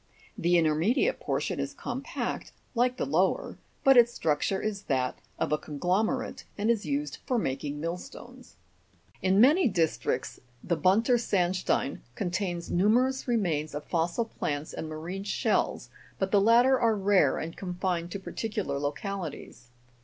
The intermedi ate portion is compact, like the lower, but its structure is that of a conglomerate, and is used for mak ing millstones. In many districts the Bunter sandstein contains numerous remains of fossil plants and marine shells, but the latter are rare and con fined to particular localities.